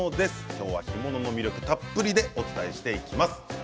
今日は干物の魅力をたっぷりとお伝えしていきます。